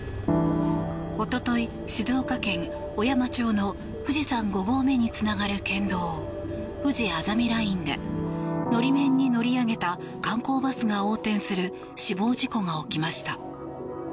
一昨日、静岡県小山町の富士山５合目につながる県道ふじあざみラインで法面に乗り上げた観光バスが横転する死亡事故が起きました。